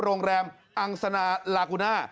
โรงแรมอังสนาลากูน่า